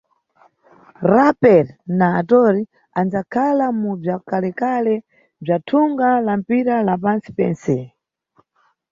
Rapper na actor anʼdzakhala mu bzwakalekale bzwa thunga la mpira la pantsi pentse.